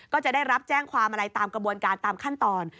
ก็จะได้รับแจ้งความอะไรตามกระบวนการตามขั้นตอน